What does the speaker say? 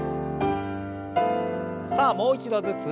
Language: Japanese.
さあもう一度ずつ。